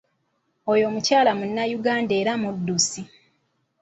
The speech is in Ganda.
Oyo omukyala Munnayuganda era muddusi.